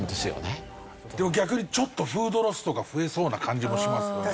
でも逆にちょっとフードロスとか増えそうな感じもしますよね。